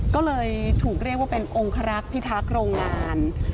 ก็เลยถูกเรียกว่าเป็นองครักษ์พิทักษ์โรงงาน